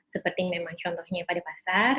seperti memang contohnya pada pasar